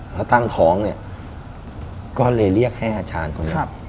ถ้าตั้งท้องเนี่ยก็เลยเรียกให้อาจารย์คนนี้